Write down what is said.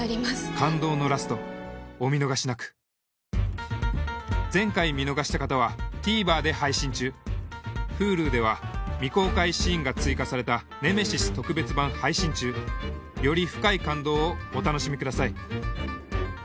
感動のラストお見逃しなく前回見逃した方はＴＶｅｒで配信中Ｈｕｌｕでは未公開シーンが追加された『ネメシス』特別版配信中より深い感動をお楽しみください